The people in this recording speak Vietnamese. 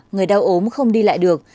người đau ốm không đi lại được